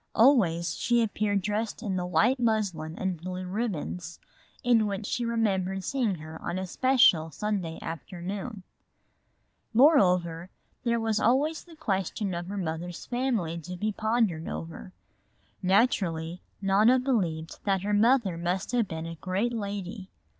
Always she appeared dressed in the white muslin and blue ribbons, in which she remembered seeing her on a special Sunday afternoon. Moreover, there was always the question of her mother's family to be pondered over. Naturally Nona believed that her mother must have been a great lady.